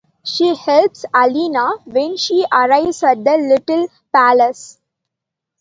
She helps Alina when she arrives at the Little Palace.